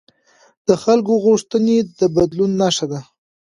د خلکو غوښتنې د بدلون نښه ده